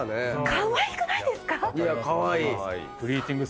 かわいくないですか⁉カワイイ。